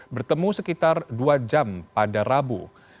bertemu sekitar dua jam pada rabu